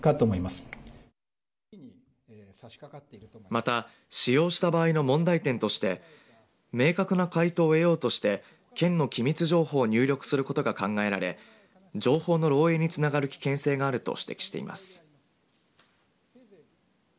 また使用した場合の問題点として明確な回答を得ようとして県の機密情報を入力することが考えられ情報の漏えいにつながる危険性があると指摘しています。